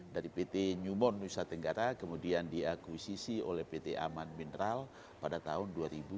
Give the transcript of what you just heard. dari pt newmont nusa tenggara kemudian diakuisisi oleh pt aman mineral pada tahun dua ribu dua puluh